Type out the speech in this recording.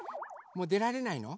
もうでられないの？